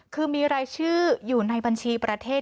คือมีรายชื่ออยู่ในบัญชีประเทศ